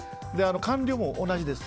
官僚も同じです。